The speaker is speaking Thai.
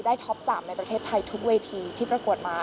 ท็อป๓ในประเทศไทยทุกเวทีที่ประกวดมา